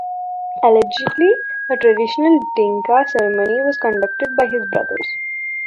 Allegedly, a traditional Dinka ceremony was conducted by his brothers.